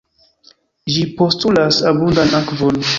Ĝi postulas abundan akvon.